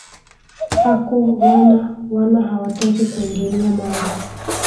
haku wana wana hawataki kuingilia mambo